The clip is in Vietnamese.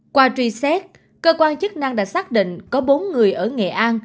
qua truy xét cơ quan chức năng đã xác định có bốn người ở nghệ an